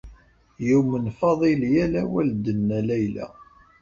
Yumen Faḍil yal awal d-tenna Layla.